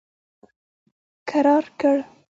کرار کړ.